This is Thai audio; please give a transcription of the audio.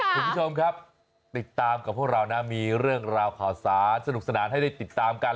คุณผู้ชมครับติดตามกับพวกเรานะมีเรื่องราวข่าวสารสนุกสนานให้ได้ติดตามกัน